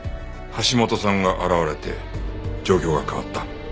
橋本さんが現れて状況が変わった。